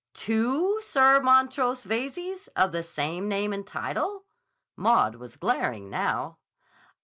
"Two Sir Montrose Veyzes? Of the same name and title?" Maud was glaring, now.